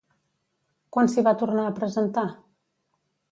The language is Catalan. Quan s'hi va tornar a presentar?